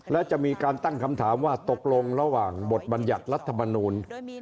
ก็จะมีการตั้งคำถามว่าตกลงระหว่างบทบรรยัตรรัฐบาลนูน